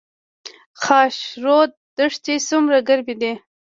خاشرود دښتې څومره ګرمې دي؟